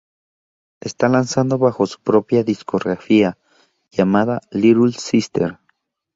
Está lanzado bajo su propia discográfica, llamada "Little Sister".